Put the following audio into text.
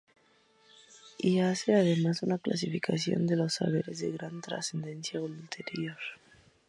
Y hace además una clasificación de los saberes de gran trascendencia ulterior.